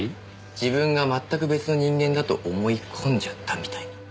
自分が全く別の人間だと思い込んじゃったみたいな。